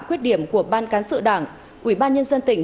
khuyết điểm của ban cán sự đảng ủy ban nhân dân tỉnh